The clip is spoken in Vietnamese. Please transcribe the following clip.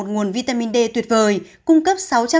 một nguồn vitamin d tuyệt vời cung cấp